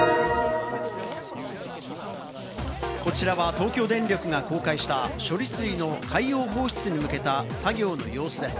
こちらは東京電力が公開した処理水の海洋放出に向けた作業の様子です。